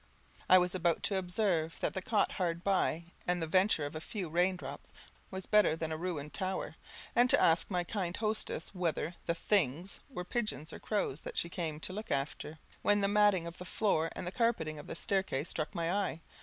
I was about to observe that the cot hard by, at the venture of a few rain drops, was better than a ruined tower, and to ask my kind hostess whether "the things" were pigeons or crows that she was come to look after, when the matting of the floor and the carpeting of the staircase struck my eye.